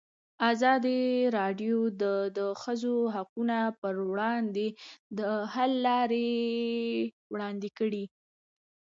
ازادي راډیو د د ښځو حقونه پر وړاندې د حل لارې وړاندې کړي.